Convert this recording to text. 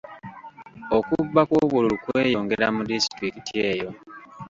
Okubba kw'obululu kweyongera mu disitulikiti eyo.